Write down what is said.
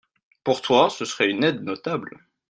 Pour toi, ce serait une aide notable.